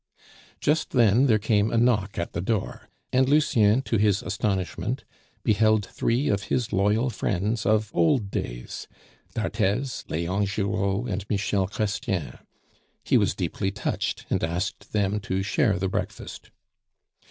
Just then there came a knock at the door, and Lucien, to his astonishment, beheld three of his loyal friends of old days d'Arthez, Leon Giraud, and Michel Chrestien. He was deeply touched, and asked them to share the breakfast.